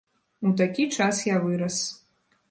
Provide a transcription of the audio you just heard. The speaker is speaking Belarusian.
У такі час я вырас.